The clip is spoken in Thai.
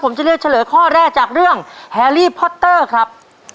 ผมจะเลือกเฉลยข้อแรกจากเรื่องแฮรี่พอตเตอร์ครับ